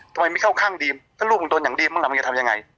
ทำไมไม่เข้าข้างดีมถ้ารูปของตัวอย่างดีมมันจะทำยังไง